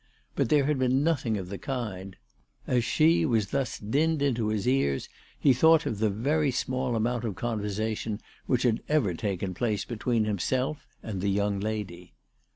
But there had been nothing of the kind. As " She " was thus dinned into his ears, he thought of the very small amount of conversation which had ever taken place between him self and the young lady.